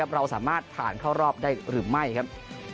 เราสามารถผ่านเข้ารอบได้หรือไม่ครับ